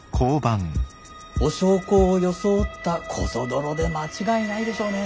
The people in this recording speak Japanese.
お焼香を装ったコソ泥で間違いないでしょうね。